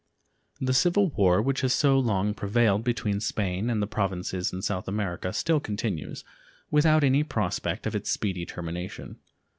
The civil war which has so long prevailed between Spain and the Provinces in South America still continues, without any prospect of its speedy termination.